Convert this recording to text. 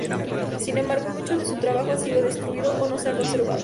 Sin embargo, mucho de su trabajo ha sido destruido o no se ha conservado.